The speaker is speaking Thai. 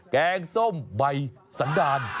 แกงส้มใบสันดาล